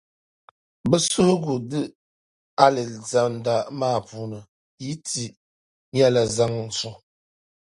Bɛ suhigu di Alizanda maa puuni yɛn ti nyɛla zaɣ'suŋ.